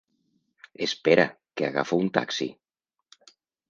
Espera, que agafo un taxi.